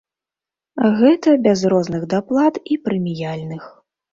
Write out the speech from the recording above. Гэта без розных даплат і прэміяльных.